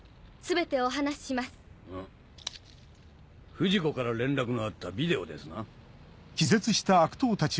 不二子から連絡があったビデオですな？